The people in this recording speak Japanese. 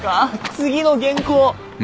次の原稿！